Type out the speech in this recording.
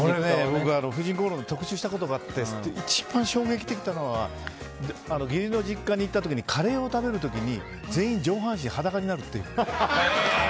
僕、「婦人公論」で特集したことがあって一番衝撃的だったのは義理の実家に行った時にカレーを食べる時に全員上半身裸になるって。